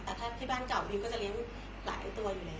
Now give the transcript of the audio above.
แต่ถ้าที่บ้านเก่าวิวก็จะเลี้ยงหลายตัวอยู่แล้ว